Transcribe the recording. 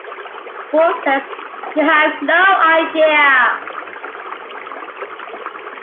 Worf says You have no idea!